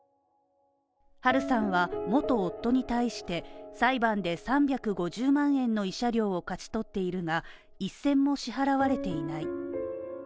ハルさんは元夫に対して、裁判で３５０万円の慰謝料を勝ち取っているが一銭も支払われていない。